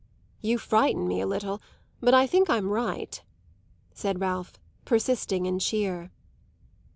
"You frighten me a little, but I think I'm right," said Ralph, persisting in cheer.